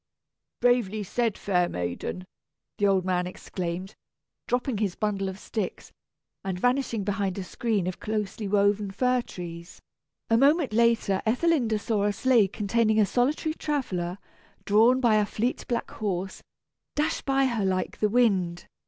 "Bravely said, fair maiden!" the old man exclaimed, dropping his bundle of sticks, and vanishing behind a screen of closely woven fir trees. A moment later Ethelinda saw a sleigh containing a solitary traveller, drawn by a fleet black horse, dash by her like the wind.